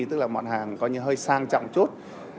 tức là mặt hàng coi như hơi sang trọng chút